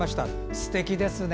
すてきですね。